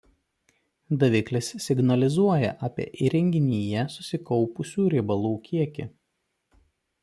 Daviklis signalizuoja apie įrenginyje susikaupusių riebalų kiekį.